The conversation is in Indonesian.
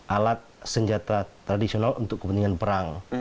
alat senjata tradisional untuk kepentingan perang